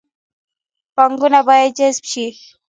پانګونه باید جذب شي